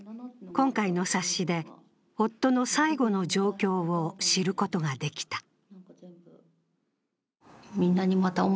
今回の冊子で夫の最期の状況を知ることができた。